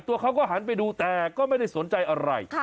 ตัวเขาก็หันไปดูแต่ก็ไม่ได้สนใจอะไร